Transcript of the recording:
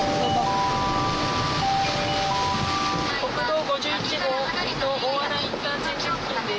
国道５１号、水戸大洗インターチェンジ付近です。